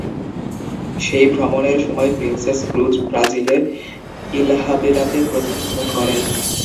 সেই ভ্রমণের সময় প্রিন্সেস ক্রুজ ব্রাজিলের ইলহাবেলাতে প্রথম ফোন করেন।